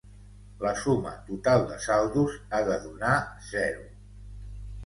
La suma total de saldos ha de donar zero.